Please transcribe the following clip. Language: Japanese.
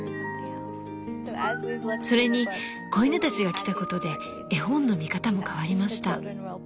それに子犬たちが来たことで絵本の見方も変わりました。